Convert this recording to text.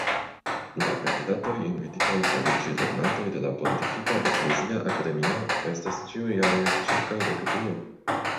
La kandidatoj invititaj fariĝi lernantoj de la Pontifika Eklezia Akademio estas ĉiujare ĉirkaŭ dekduo.